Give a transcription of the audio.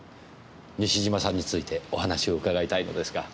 西島さんについてお話を伺いたいのですが。